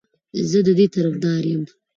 زه د دې طرفدار یم